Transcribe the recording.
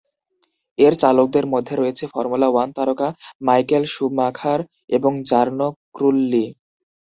এর চালকদের মধ্যে রয়েছে ফর্মুলা ওয়ান তারকা মাইকেল শুমাখার এবং জার্নো ত্রুল্লি।